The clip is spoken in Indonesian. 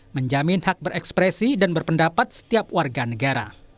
menjamin hak berekspresi dan berpendapat setiap warga negara